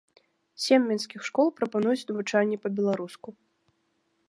Сем мінскіх школ прапануюць навучанне па-беларуску.